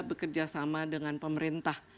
bekerja sama dengan pemerintah